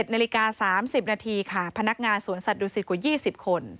๑นาฬิกา๓๐นาทีค่ะพนักงานสวนสัตวศิษฐ์กว่า๒๐คน